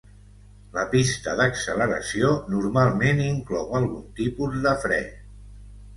La pista d'acceleració normalment inclou algun tipus de fre.